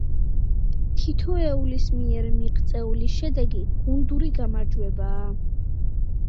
თითოეულის მიერ მიღწეული შედეგი გუნდური გამარჯვებაა.